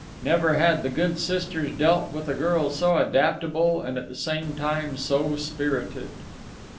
Never had the good sisters dealt with a girl so adaptable and at the same time so spirited.